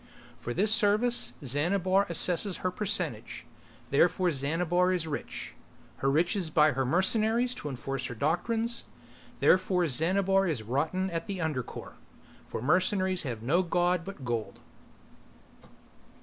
For this service Xanabar assesses her percentage, therefore Xanabar is rich. Her riches buy her mercenaries to enforce her doctrines. Therefore Xanabar is rotten at the under core, for mercenaries have no god but gold.